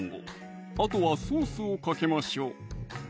あとはソースをかけましょう！